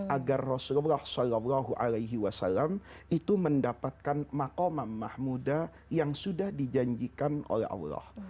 agar rasulullah saw itu mendapatkan makomah mahmudha yang sudah dijanjikan oleh allah